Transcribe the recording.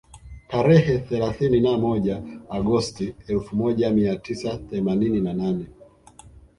Tarehe thelathini na moja Agosti elfu moja mia tisa themanini na nane